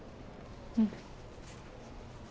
うん。